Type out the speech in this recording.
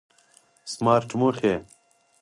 سمارټ موخې